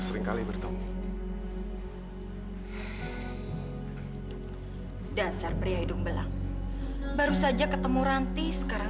sampai jumpa di video selanjutnya